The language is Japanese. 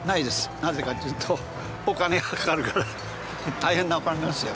なぜかっていうとお金がかかるから大変なお金なんですよ。